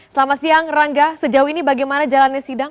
selamat siang rangga sejauh ini bagaimana jalannya sidang